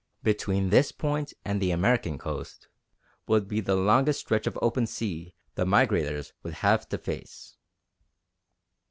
Between this point and the American coast would be the longest stretch of open sea the migrators would have to face.